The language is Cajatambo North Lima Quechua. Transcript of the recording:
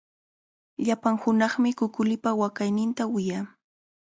Llapan hunaqmi kukulipa waqayninta wiyaa.